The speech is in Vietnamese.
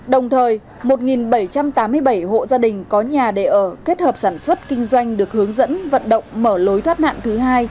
đồng thời một bảy trăm tám mươi bảy hộ gia đình có nhà để ở kết hợp sản xuất kinh doanh được hướng dẫn vận động mở lối thoát nạn thứ hai